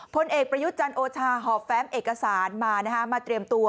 พลเอกประยุทธ์จันทร์โอชาหอบแฟ้มเอกสารมานะคะมาเตรียมตัว